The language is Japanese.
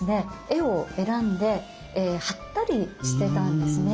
絵を選んで貼ったりしてたんですね。